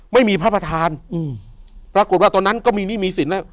ไม่มีพระประธานอืมปรากฏว่าตอนนั้นก็มีหนี้มีสินแล้ว